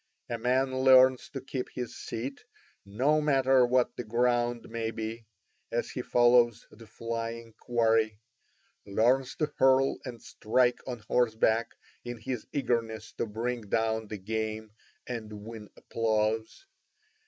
A man learns to keep his seat, no matter what the ground may be, as he follows the flying quarry, learns to hurl and strike on horseback in his eagerness to bring down the game and win applause.